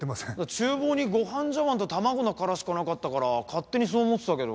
厨房にご飯茶わんと卵の殻しかなかったから勝手にそう思ってたけど。